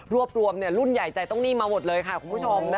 รวบรวมเนี่ยรุ่นใหญ่ใจต้องนิ่งมาหมดเลยค่ะคุณผู้ชมนะคะ